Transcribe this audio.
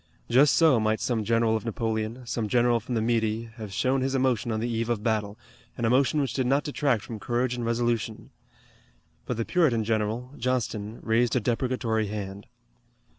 Just so might some general of Napoleon, some general from the Midi, have shown his emotion on the eve of battle, an emotion which did not detract from courage and resolution. But the Puritan general, Johnston, raised a deprecatory hand.